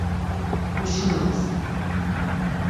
Duşinams.